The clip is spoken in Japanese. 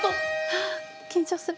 ああ緊張する。